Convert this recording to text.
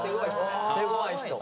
手ごわい人。